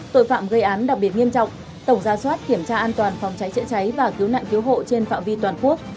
tội phạm gây án đặc biệt nghiêm trọng tổng ra soát kiểm tra an toàn phòng cháy chữa cháy và cứu nạn cứu hộ trên phạm vi toàn quốc